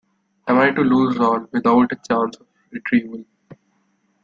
Am I to lose all, without a chance of retrieval?